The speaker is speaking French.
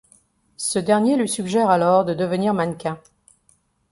Ce dernier lui suggère alors de devenir mannequin.